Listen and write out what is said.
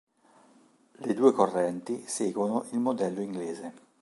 Le due correnti seguono il modello inglese.